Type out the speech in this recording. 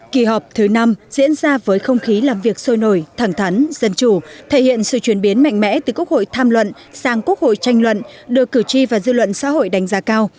kỳ họp thứ năm diễn ra với không khí làm việc sôi nổi thẳng thắn dân chủ thể hiện sự chuyển biến mạnh mẽ từ quốc hội tham luận sang quốc hội tranh luận được cử tri và dư luận xã hội đánh giá cao